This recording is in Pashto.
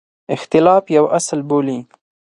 اختلاف یو اصل بولي.